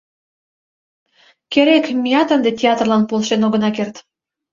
Керек, меат ынде театрлан полшен огына керт.